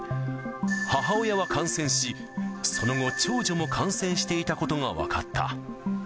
母親は感染し、その後、長女も感染していたことが分かった。